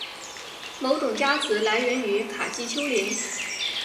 其种加词来源于卡西丘陵。